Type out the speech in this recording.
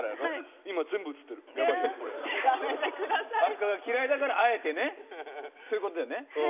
赤が嫌いだから、あえてねということだよね。